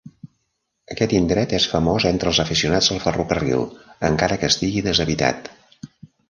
Aquest indret és famós entre els aficionats al ferrocarril encara que estigui deshabitat.